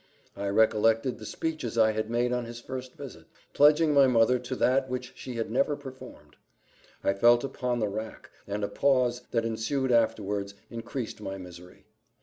I recollected the speeches I had made on his first visit, pledging my mother to that which she had never performed. I felt upon the rack and a pause, that ensued afterwards, increased my misery.